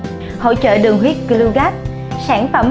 sản phẩm hỗ trợ giảm đường huyết được các chuyên gia khuyên dùng